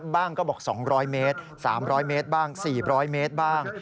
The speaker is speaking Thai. บ้างก็บอก๒๐๐เมตร๓๐๐เมตรบ้าง๔๐๐เมตรบ้าง